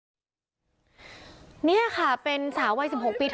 จังหวะนี้คือจังหวะที่เธออยู่ในนี้